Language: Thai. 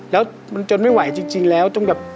แล้วมันจนไม่ไหวจริงแล้วจนแบบ